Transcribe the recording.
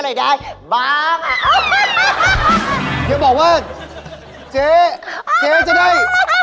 อย่าบอกว่าเจ๊จะได้